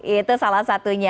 itu salah satunya